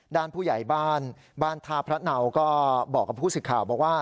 ด้านผู้ใหญ่บ้านบ้านท่าพระเนาก็บอกกับผู้สื่อข่าวบอกว่า